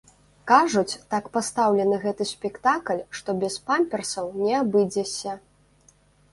Кажуць, так пастаўлены гэты спектакль, што без памперсаў не абыдзешся!